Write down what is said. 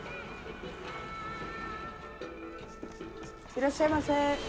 いらっしゃいませ。